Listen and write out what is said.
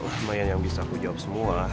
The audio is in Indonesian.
lumayan yang bisa aku jawab semua